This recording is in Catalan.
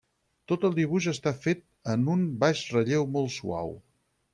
Tot el dibuix està fet en un baix relleu molt suau.